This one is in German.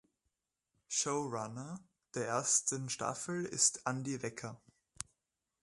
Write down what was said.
Showrunner der ersten Staffel ist Andi Wecker.